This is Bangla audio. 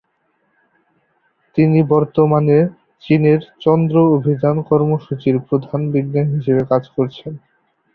তিনি বর্তমানে চীনের চন্দ্র অভিযান কর্মসূচির প্রধান বিজ্ঞানী হিসেবে কাজ করছেন।